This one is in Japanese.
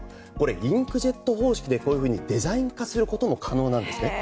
インクジェット方式でデザイン化することも可能なんですね。